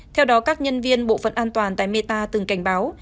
theo đó các nhân viên bộ phận an toàn tại meta từng cảnh báo